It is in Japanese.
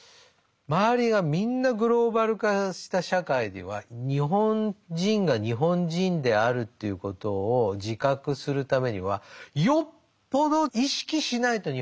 周りがみんなグローバル化した社会では日本人が日本人であるということを自覚するためにはよっぽど意識しないと日本人にはなれないわけ。